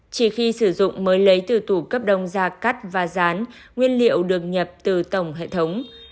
chỉ khi sử dụng mới lấy từ tủ cấp đông ra cắt và rán nguyên liệu được nhập từ tổng hệ thống